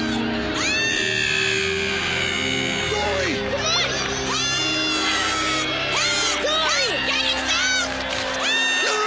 ああ！